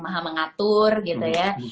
maha mengatur gitu ya